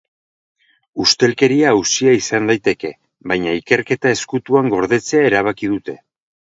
Ustelkeria auzia izan daiteke, baina ikerketa ezkutuan gordetzea erabaki dute.